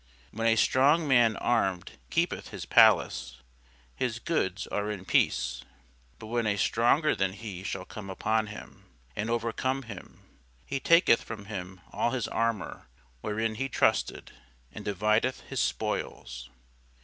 When a strong man armed keepeth his palace, his goods are in peace: but when a stronger than he shall come upon him, and overcome him, he taketh from him all his armour wherein he trusted, and divideth his spoils.